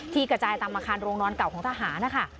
กระจายตามอาคารโรงนอนเก่าของทหารนะคะ